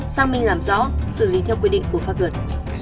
sang minh làm rõ xử lý theo quy định của pháp luật